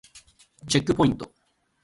チェックポイント